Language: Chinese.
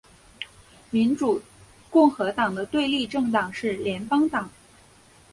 民主共和党的对立政党是联邦党。